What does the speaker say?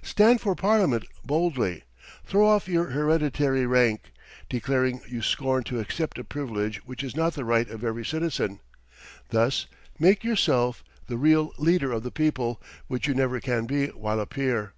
"Stand for Parliament boldly. Throw off your hereditary rank, declaring you scorn to accept a privilege which is not the right of every citizen. Thus make yourself the real leader of the people, which you never can be while a peer.